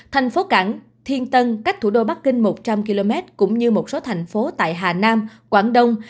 thành phố cảng thiên tân cách thủ đô bắc kinh một trăm linh km cũng như một số thành phố tại hà nam quảng đông